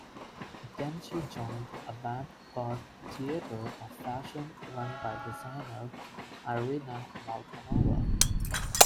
Then she joined Avant-garde Theatre of fashion run by designer Irina Molchanova.